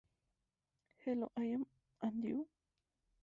Hello I Am...And You?